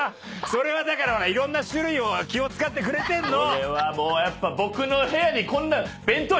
それはだからいろんな種類を気を使ってくれてんの！